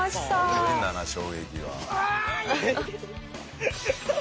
すごいんだな衝撃が。